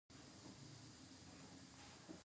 د نجونو تعلیم د ودونو عمر لوړوي.